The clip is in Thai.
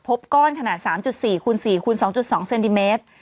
พบก้อนขนาด๓๔คูณ๔คูณ๒๒เซนติเมตร